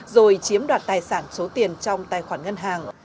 rồi chiếm đoạt tài sản số tiền trong tài khoản ngân hàng